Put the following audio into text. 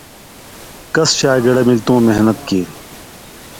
کس شاگِڑہ ملیۡ تُوں محنت کیریۡ